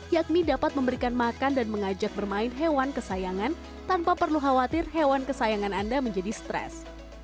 yakni dapat memberikan makan dan mengajak bermain hewan kesayangan tanpa perlu khawatir hewan kesayangan anda menjadi stres